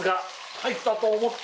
入ったと思って！